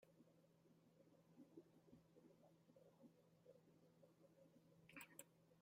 Se les considera pioneros del folk-rock medieval.